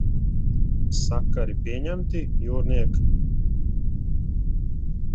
Sakari pieņemti, jūrniek?